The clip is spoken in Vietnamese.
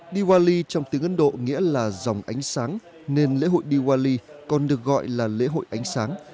diwali trong tiếng ấn độ nghĩa là dòng ánh sáng nên lễ hội diwali còn được gọi là lễ hội ánh sáng